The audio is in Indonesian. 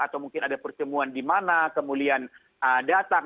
atau mungkin ada pertemuan di mana kemudian datang